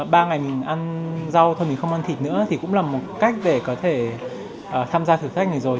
ba ngày mình ăn rau thôi mình không ăn thịt nữa thì cũng là một cách để có thể tham gia thử khách này rồi